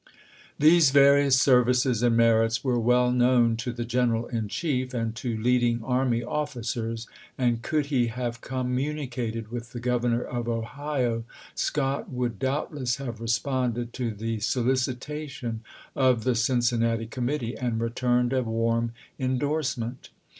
These various services and merits were well known to the Greneral in Chief and to leading army officers; and could he have communicated with the Governor of Ohio, Scott would doubtless have responded to the solicitation of the Cincinnati committee and returned a warm indorsement.